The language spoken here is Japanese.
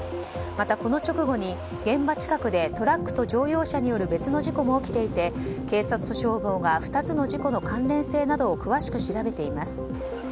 また、この直後に現場近くでトラックと乗用車による別の事故も起きていて警察と消防が２つの事故の関連性などを詳しく調べています。